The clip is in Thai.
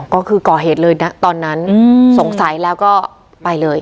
ก็คือก่อเหตุเลยนะตอนนั้นสงสัยแล้วก็ไปเลย